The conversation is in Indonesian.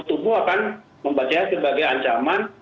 tubuh akan membacanya sebagai ancaman